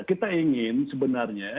kita ingin sebenarnya